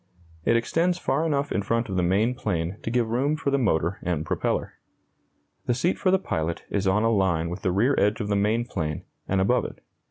It extends far enough in front of the main plane to give room for the motor and propeller. The seat for the pilot is on a line with the rear edge of the main plane, and above it.